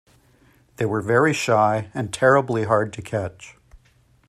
They were very shy and terribly hard to catch.